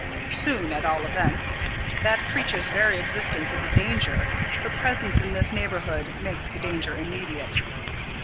"Soon, at all events. That creature's very existence is a danger. Her presence in this neighbourhood makes the danger immediate."